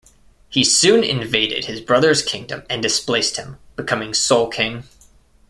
He soon invaded his brother's kingdom and displaced him, becoming sole king.